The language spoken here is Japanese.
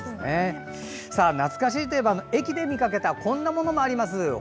懐かしいといえば駅で見かけたこんなものもあります。